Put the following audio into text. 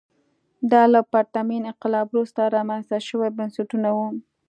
دا له پرتمین انقلاب وروسته رامنځته شوي بنسټونه وو.